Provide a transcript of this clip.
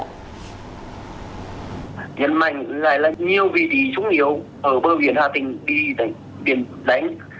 nhân mạnh lại là nhiều vị trí trung yếu ở bờ biển hà tĩnh bị đánh